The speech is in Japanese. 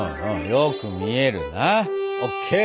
よく見えるな。ＯＫ！